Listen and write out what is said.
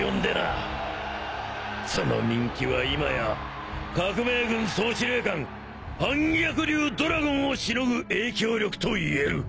その人気は今や革命軍総司令官反逆竜ドラゴンをしのぐ影響力といえる。